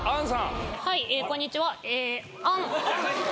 はいこんにちは杏さん。